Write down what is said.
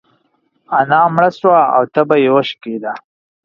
انا مړه سوه او تبه يې وشکيده.